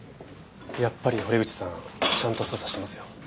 やっぱり堀口さんちゃんと捜査してますよ。